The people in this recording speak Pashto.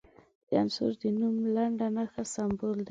د عنصر د نوم لنډه نښه سمبول دی.